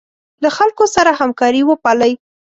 له خلکو سره همکاري وپالئ.